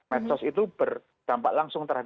medsos itu berdampak langsung terhadap